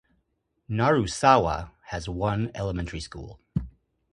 Narusawa has one elementary school.